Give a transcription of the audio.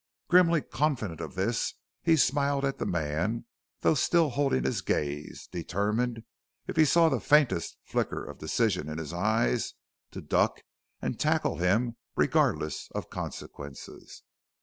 Grimly confident of this he smiled at the man, though still holding his gaze, determined, if he saw the faintest flicker of decision in his eyes, to duck and tackle him regardless of consequences.